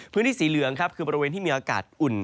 พื้นที่สีเหลืองครับคือบริเวณที่มีอากาศอุ่น